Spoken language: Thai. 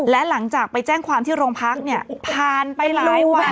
และหลังจากไปแจ้งความที่โรงพักเนี่ยผ่านไปหลายวัน